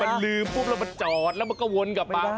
มันลืมปุ๊บแล้วมันจอดแล้วมันก็วนกลับมา